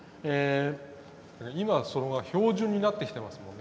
今は、それが標準になってますもんね。